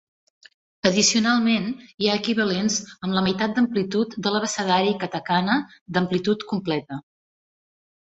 Addicionalment, hi ha equivalents amb la meitat d'amplitud de l'abecedari katakana d'amplitud completa.